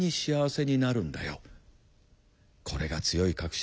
これが強い確信